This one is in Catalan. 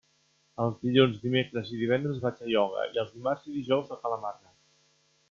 Els dilluns, dimecres i divendres vaig a ioga i els dimarts i dijous a ca la Marga.